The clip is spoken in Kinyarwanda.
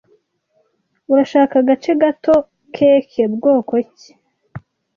"Urashaka agace gato?" "Cake bwoko ki?"